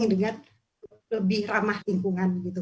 dengan lebih ramah lingkungan